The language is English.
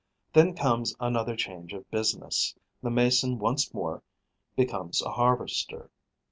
Then comes another change of business: the mason once more becomes a harvester.